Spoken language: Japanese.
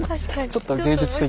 ちょっと芸術的ですね。